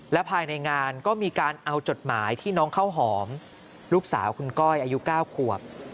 และภายในงานก็มีการเอาจดหมายที่น้องข้าวหอมลูกสาวคุณก้อยอายุ๙ขวบ